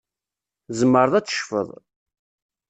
Tzemreḍ ad tecfeḍ.